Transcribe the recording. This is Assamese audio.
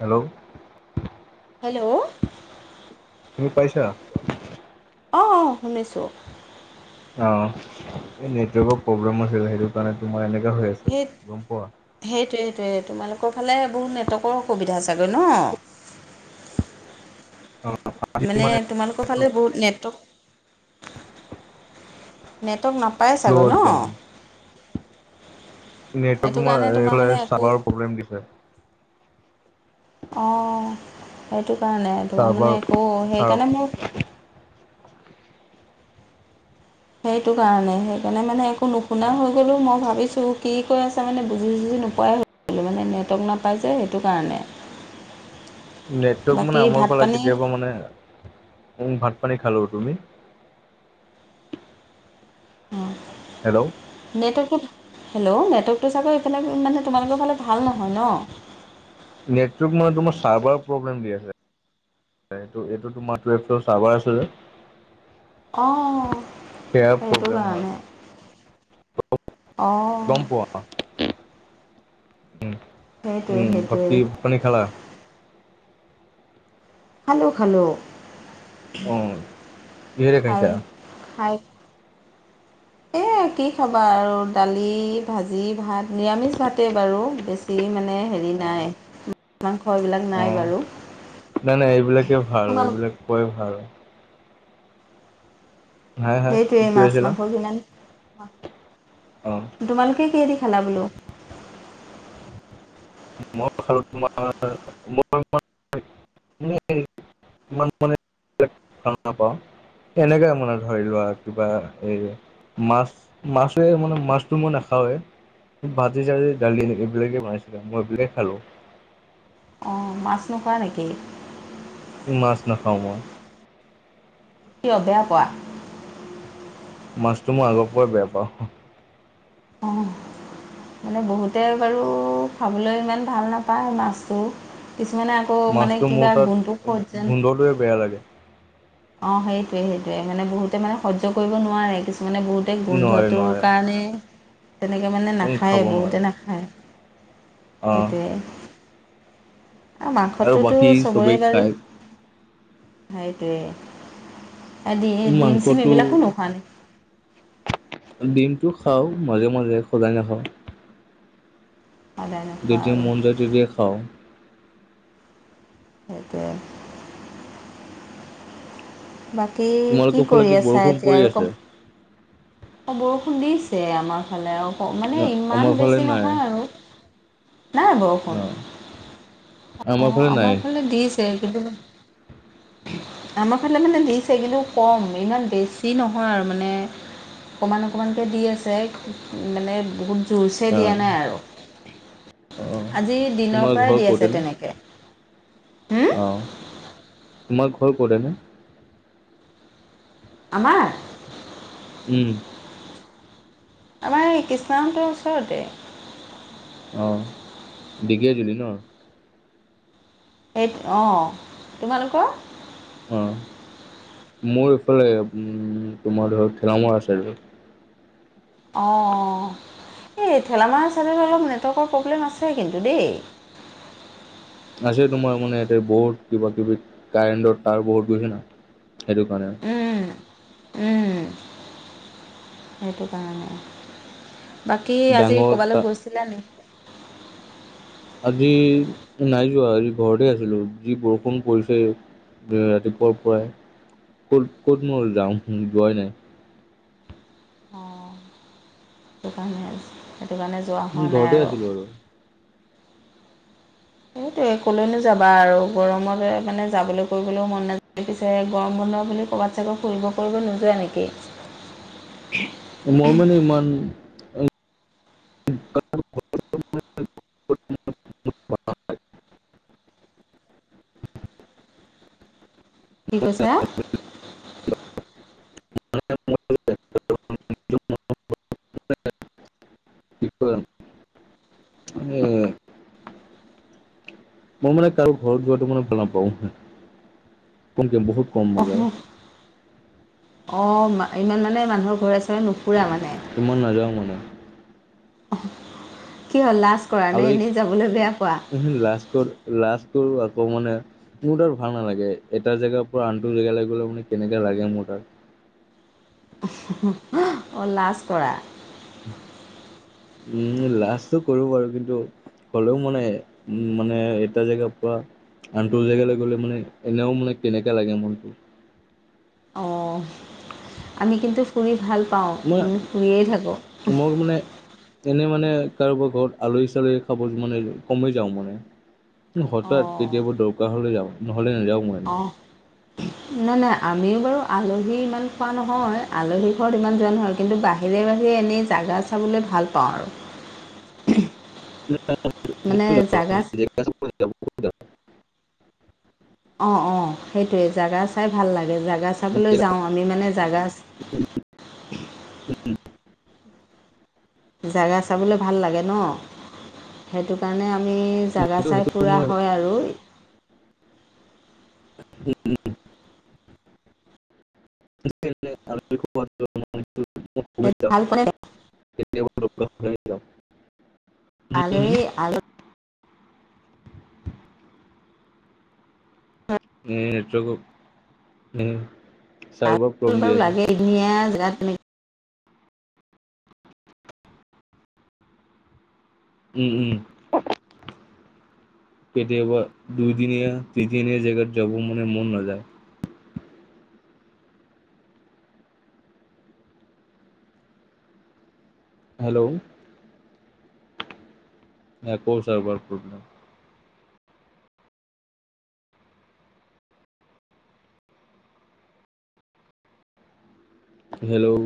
হেল্ল'। হেল্ল'। শুনি পাইছা? অ, অ, অ শুনিছোঁ। অ, এই নেটৱৰ্কৰ প্ৰব্লেম আছিল। সেইটো কাৰণে তোমাৰ এনেকা হৈ আছিল, সেই গম পোৱা? সেইটোৱে সেইটোৱে সেইটো। তোমালোকৰ ফালে বহুত নেটৱৰ্কৰ অসুবিধা ছাগৈ ন? অ আজি মানে তোমালোকৰ ফালে বহুত নেটৱৰ্ক নেটৱৰ্ক নাপায় চাগৈ শ্ল' ন? একদম নেটৱৰ্ক সেইটো তোমাৰ কাৰণে এৰিলে এ চাৰ্ভাৰ প্ৰব্লেম দিছে। অ, সেটো কাৰণে তোমাৰ চাৰ্ভাৰ মানে একো চাৰ সেইকাৰণে মোৰ সেইটো কাৰণে সেইকাৰণে মানে একো নুশুনা হৈ লো মই ভাবিছোঁ কি কৈ আছে মানে বুজি-চুজি নোপোৱাই হৈ গ'লো মানে নেটৱৰ্ক নাপাই যে সেইটো কাৰণে। [inaudible] নেটৱৰ্ক বাকী মানে আমাৰ ভাত ফালে পানী কেতিয়াবা মানে, উ ভাত-পানী খালো, তুমি? হেল্ল'। নেটৱৰ্কত হেল্ল', নেটৱৰ্কটো চাগৈ এইফালে মানে তোমালোকৰ ফালে ভাল নহয় ন? নেটৱৰ্ক মানে তোমাৰ চাৰ্ভাৰ প্ৰব্লেম দি আছে। এইটো এইটো তোমাৰ [unintelligible] চাৰ্ভাৰ আছে যে। অ' সেয়াৰ সেইটো প্ৰব্লেম হয় কাৰণে অ'। উম, সেইটোৱে উম বাকি সেইটোৱে ভাত-পানী খালা? খালো, খালো। অ, কিহেৰে খাইছা? হাই এ কি খাবা আৰু দালি, ভাজি, ভাত নিৰামিছ ভাতেই বাৰু বেছি মানে হেৰি অ নাই মাংস এইবিলাক অ, নাই বাৰু নাই নাই এইবিলাকে ভাল, তোমালোক এইবিলাক খোৱাই ভাল। হা হা কি সেইটোৱে কৈ মাছ, আছিলা মাংস ইমান অ। তোমালোকে কিহেদি খালা বোলো? মই খালো তোমাৰ [unintelligible] [unintelligible] ইমান মানে [unintelligible] ভাল নাপাও। তেনেকে মানে ধৰি লোৱা কিবা এই মাছ, মাছো এই মানে মাছটো মই নাখাওৱে। ভজি-চাজি, দালি এইবিলাকে বনাইছিলে, মই এইবিলাকে খালো। অ, মাছ নোখোৱা নেকি? মাছ নাখাওঁ মই। কিয় বেয়া পোৱা? মাছটো মই আগৰ পৰাই বেয়া পাওঁ। অ। মানে বহুতে বাৰু খাবলৈ ইমান ভাল নাপায় মাছটো। কিছুমানে অ মানে কিবা গুণটো ক'ত যেন। সকলোৰে বেয়া লাগে। অ সেইটোৱে সেইটোৱে মানে বহুতে মানে সহ্য কৰিব নোৱাৰে। কিছুমানে বহুত তে নোৱাৰে গোন্ধটোৰ নোৱাৰে কাৰণে তেনেকে মানে খাব নাখায়েই নোৱাৰে বহুতে নাখায়। অ সেইটোৱে। অ আৰু মাংসটোতো বাকী চবৰে চবেই বাৰু, খায় সেইটোৱে। অ ডিম ডিম-চিম মাংসটো এইবিলাকো নোখোৱা নি? ডিমটো খাওঁ মাজে-মাজে, সদায় নাখাওঁ। সদায় নোখোৱা যেতিয়া আৰু মন যায় তেতিয়া খাওঁ। সেইটোৱে। বাকী কি তোমালোকৰ ফালে কৰি আছা বৰষুণ এতিয়া পৰি আৰু আছে ক অ বৰষুণ দিছে আমাৰ ফালে অহ আৰু ন মানে আমাৰ ইমান ফালে বেছি নাই নহয় আৰু। নাই অ বৰষুণ। অ আমাৰ ফালে দিছে, কিন্তু আমাৰ ফালে মানে দিছে, কিন্তু কম। ইমান বেছি নহয় আৰু মানে অকমান অকমানকে দি আছে মানে বহুত জোৰচে অ দিয়া নাই আৰু অ আজি দিনৰ তোমাৰ পৰাই ঘৰ দি ক'ত আছে এনে তেনেক কে উম। অ, তোমাৰ ঘৰ ক'ত এনে? আমাৰ? উম। আমাৰ এই কৃষ্ণাহঁতৰ ওচৰতে। অ, দেকীয়াজুলী ন? সে অ, তোমালোকৰ? অ, মোৰ এইফালে উ তোমাৰ ধৰা ঘেলামৰা ‍ চাইডত। অ, অ। এই ঘেলামাৰা চাইডত অলপ নেটৱৰ্কৰ প্ৰব্লেম আছে কিন্তু দেই। আছে তোমাৰ মানে ইয়াতে বহুত কিবা-কিবি কাৰেণ্টৰ তাঁৰবোৰ গৈছে ন সেইটো কাৰণে। উম, উম সেইটো কাৰণে। বাকী আজি ডাঙৰ ক'বালে তা গৈছিলা নি? আজি নাই যোৱা, আজি ঘৰতে আছিলো। যি বৰষুণ পৰিছে। ৰাতিপুৱাৰ পৰাই। ক'ত ক'তনো আৰু যাওঁ যোৱাই নাই। সেইটো কাৰণে [unintelligible] সেইটো কাৰণে যোৱা হোৱা নাই ঘৰতে আৰু। আছিলোঁ সেইটোৱে কলেনো যাবা আৰু গৰমতে মানে যাবলৈ কৰিবলৈও মন না [unintelligible] গৰম বন্ধ বুলি কবাত চাগৈ ফুৰিব কৰিব নোযাৱা নেকি? মই মানে ইমান [unintelligible] কি কৈছা? [unintelligible] [unintelligible] [unintelligible] এ মই মানে কাৰো ঘৰত যোৱাটো মানে ভাল নাপাও। [unintelligible] বহুত কম মই অহ যাওঁ অ ইমান মানে মানুহৰ ঘৰে-চৰে নুফুৰা মানে। ইমান নাযাওঁ মানে। কি হ'ল লাজ কৰা নে এনেই যাবলৈ বেয়া পোৱা? ওহো লাজ কৰ লাজ কৰো আকৌ মানে মোৰ তাৰ ভাল নালাগে। এটা জেগাৰ পৰা আনটো জেগালে গ'লে মানে কেনেকে লাগে মোৰ তাৰ। অহ অ লাজ কৰা। উ লাজটো কৰো বাৰু কিন্তু হ'লেও মানে উ মানে এটা জেগাৰ পৰা আনটো জেগালে গ'লে মানে এনেও মানে কেনেকা লাগে মনটো। অ, আমি কিন্তু ফুৰি ভাল পাওঁ। মই আমি ফুৰিয়ে থাকোঁ। মোক মানে এনেই মানে কাৰোবাৰ ঘৰত আলহী-চালহী খাব মানে কমেই যাওঁ মানে। হঠাৎ অঁ কেতিয়াবা দৰকাৰ হলে যাওঁ নহ'লে নাযাও মই। অহ। না, না আমিও বাৰু আলহী ইমান খোৱা নহয়। আলহী ঘৰত ইমান যোৱা নহয়। কিন্তু বাহিৰে বাহিৰে এনেই জাগা চাবলে ভাল পাওঁ আৰু। [inaudible] মানে জাগা নেটৱৰ্কৰ অ, অ সেইটোৱে। জাগা চাই ভাল লাগে। জাগা চাবলৈ যাওঁ। আমি মানে জাগা জাগা চাবলে ভাল লাগে ন? সেইটো কাৰণে আমি জাগা চাই ফুৰা হয় আৰু। উম, উম। সেই ভাল পালে [unintelligible] [unintelligible] নেটৱৰ্কৰ [unintelligible] চাৰ্ভাৰ প্ৰব্লেম [unintelligible] দি বাৰু আছে লাগে এদিনীয়া জেগাত [unintelligible] উম, উম। কেতিয়াবা দুইদিনীয়া তিনিদিনীয়া জেগাত যাব মানে মন নাযায়। হেল্ল'। নে আকৌ চাৰ্ভাৰ প্ৰব্লেম। হেল্ল'।